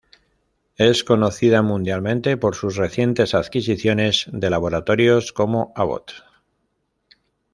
Es conocida mundialmente por sus recientes adquisiciones de laboratorios como Abbott.